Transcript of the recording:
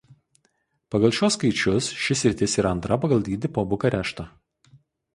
Pagal šiuos skaičius ši sritis yra antra pagal dydį po Bukarešto.